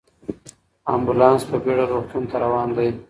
امبولانس په بیړه روغتون ته روان دی.